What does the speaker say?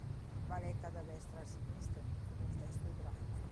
Va letta da destra a sinistra, come il testo ebraico.